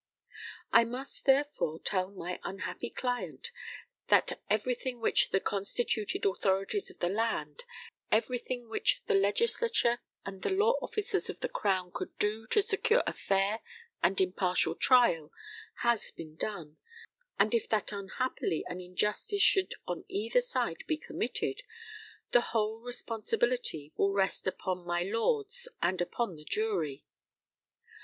I must therefore tell my unhappy client that everything which the constituted authorities of the land everything which the Legislature and the Law Officers of the Crown could do to secure a fair and impartial trial has been done, and if that unhappily an injustice should on either side be committed, the whole responsibility will rest upon my Lords and upon the jury.